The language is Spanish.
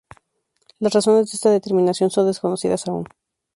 Las razones de esta determinación son desconocidas aún.